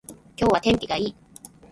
今日は天気がいい